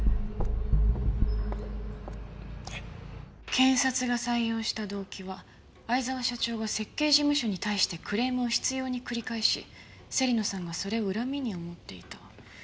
検察が採用した動機は逢沢社長が設計事務所に対してクレームを執拗に繰り返し芹野さんがそれを恨みに思っていた。